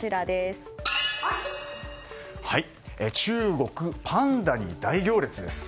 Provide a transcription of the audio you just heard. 中国、パンダに大行列です。